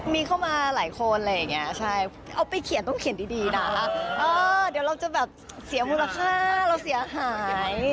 มีเข้ามาหลายคนอะไรอย่างเงี้ยใช่เอาไปเขียนต้องเขียนดีนะเดี๋ยวเราจะแบบเสียมูลค่าเราเสียหาย